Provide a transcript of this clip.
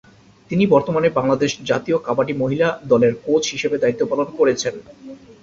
তিনি বর্তমানে বাংলাদেশ জাতীয় কাবাডি মহিলা দলের কোচ হিসেবে দায়িত্ব পালন করেছেন।